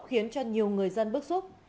khiến cho nhiều người dân bức xúc